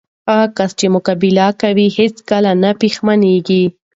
هغه کس چې مقابله کوي، هیڅ کله نه پښېمانه کېږي.